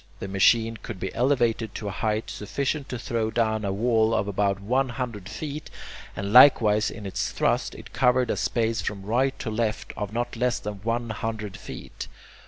The machine could be elevated to a height sufficient to throw down a wall of about one hundred feet, and likewise in its thrust it covered a space from right to left of not less than one hundred feet.